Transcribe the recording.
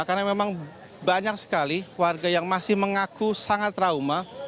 karena memang banyak sekali warga yang masih mengaku sangat trauma